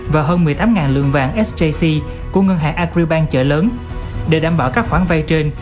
và hơn một mươi tám lượng vàng sjc của ngân hàng agribank chợ lớn để đảm bảo các khoản vay trên